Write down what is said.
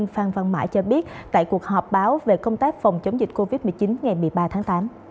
phan văn mãi cho biết tại cuộc họp báo về công tác phòng chống dịch covid một mươi chín ngày một mươi ba tháng tám